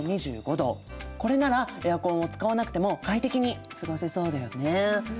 これならエアコンを使わなくても快適に過ごせそうだよね。